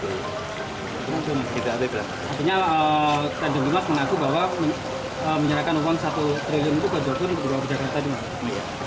artinya kedeng limas menaku bahwa menyerahkan uang satu triliun itu ke jokowi di bapak jakarta di mabuk